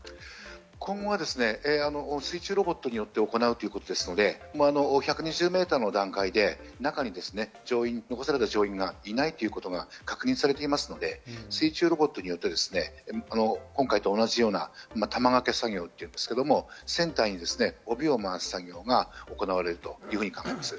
今後は水中ロボットによって行うということで１２０メートルの段階で中に残された乗員がいないということが確認されていますので、水中ロボットによって今回と同じような玉掛け作業ですけれども、船体に帯を回す作業が行われると考えます。